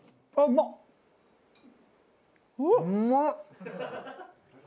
うまっ！